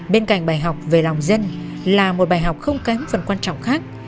bên cạnh bài học về lòng dân là một bài học không kém phần quan trọng khác